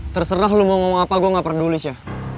terserah lo mau ngomong apa gue ga perdulis ya